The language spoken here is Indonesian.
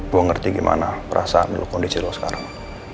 gue ngerti gimana perasaan kondisi lo sekarang